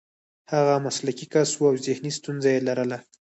هغه مسلکي کس و او ذهني ستونزه یې لرله